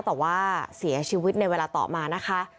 แต่ว่าเสียชีวิตในเวลาต่อมานะคะ